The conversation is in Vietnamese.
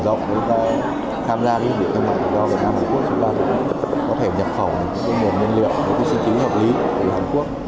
chúng ta có thể nhập khẩu những nguồn nguồn liệu những sinh chí hợp lý của hàn quốc